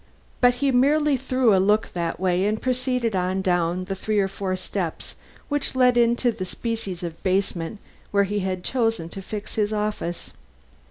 But he merely threw a look that way and proceeded on down the three or four steps which led into the species of basement where he had chosen to fix his office.